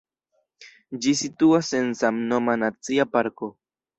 Ĝi situas en samnoma nacia parko.